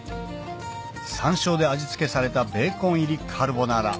山椒で味付けされたベーコン入りカルボナーラ